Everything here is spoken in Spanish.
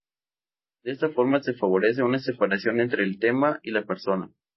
De esta forma se favorece una separación entre el tema y la persona.